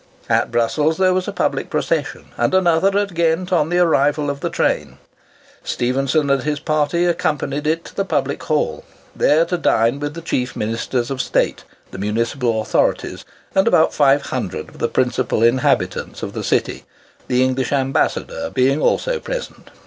At Brussels there was a public procession, and another at Ghent on the arrival of the train. Stephenson and his party accompanied it to the Public Hall, there to dine with the chief Ministers of State, the municipal authorities, and about five hundred of the principal inhabitants of the city; the English Ambassador being also present.